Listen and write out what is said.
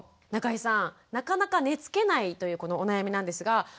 中井さんなかなか寝つけないというこのお悩みなんですが。